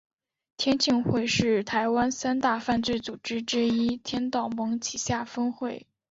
天庆会是台湾三大犯罪组织之一天道盟旗下分会。